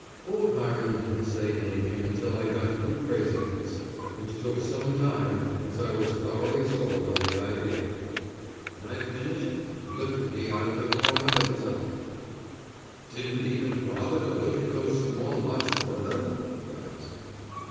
Old Hiram didn't say anything until I got through praising myself, which took some time as I was thoroughly sold on the idea. When I'd finished, he looked at me out of the corner of his eye. "Didn't even bother to look at those small lots of leather?" he asked.